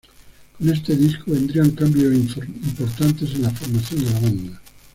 Con este disco vendrían cambios importantes en la formación de la banda.